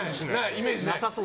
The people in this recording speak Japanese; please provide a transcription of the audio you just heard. イメージなさそう。